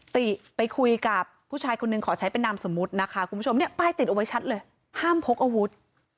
ติไปคุยกับผู้ชายคนหนึ่งขอใช้เป็นนามสมมุตินะคะคุณผู้ชมเนี่ยป้ายติดเอาไว้ชัดเลยห้ามพกอาวุธ